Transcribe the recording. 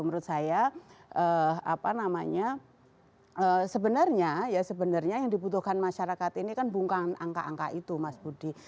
menurut saya apa namanya sebenarnya ya sebenarnya yang dibutuhkan masyarakat ini kan bukan angka angka itu mas budi